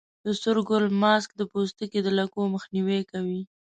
د سور ګل ماسک د پوستکي د لکو مخنیوی کوي.